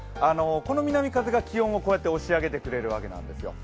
この南風が気温をこうやって押し上げてくれるわけなんですよ。